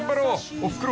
おふくろ